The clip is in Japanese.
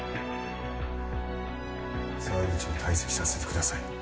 沢口を退席させてください。